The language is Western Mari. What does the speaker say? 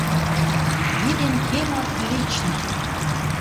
Виден кем отлично!»